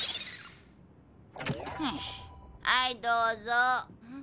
はいどうぞ。